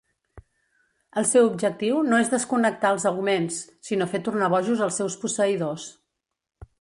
El seu objectiu no és desconnectar els augments, sinó fer tornar bojos als seus posseïdors.